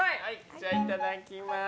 じゃあ、いただきます！